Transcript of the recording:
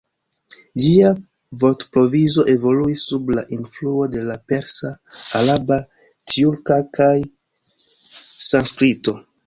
Ĝia vortprovizo evoluis sub la influo de la persa, araba, tjurka kaj sanskrito.